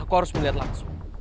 aku harus melihat langsung